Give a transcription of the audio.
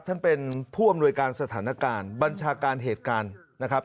ท่านเป็นผู้อำนวยการสถานการณ์บัญชาการเหตุการณ์นะครับ